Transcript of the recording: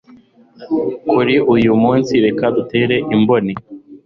kuri uyu munsi reka dutere imboni